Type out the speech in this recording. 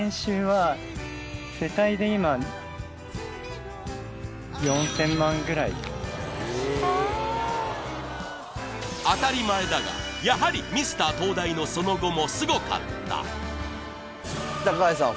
世帯で今４０００万ぐらい当たり前だがやはりミスター東大のその後もすごかった橋さん